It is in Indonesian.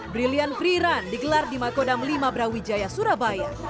brilliant free run digelar di makodam lima brawijaya surabaya